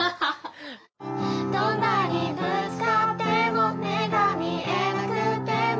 「どんなにぶつかっても目が見えなくても」